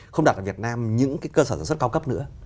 không đặt ở việt nam những cái cơ sở sản xuất cao cấp nữa